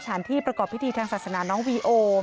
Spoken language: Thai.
ที่ประกอบพิธีทางศาสนาน้องวีโอ